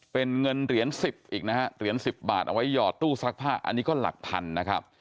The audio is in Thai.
เป็นเงินเหรียญ๑๐อีกนะฮะเหรียญ๑๐บาทเอาไว้หยอดตู้ซักผ้าอันนี้ก็หลักพันนะครับ